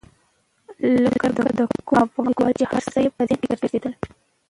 لکه د کوم افغان لیکوال چې هر څه یې په ذهن کې ګرځېدل.